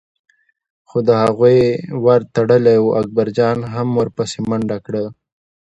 خو د هغوی ور تړلی و، اکبرجان هم ور پسې منډه کړه.